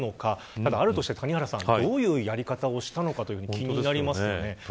ただ、あるとして、谷原さんどういうやり方をしたのか気になりますよね。